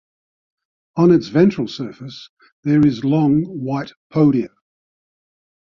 On its ventral surface there is long white podia.